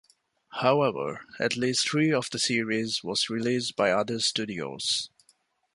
However, at least three of the series was released by other studios.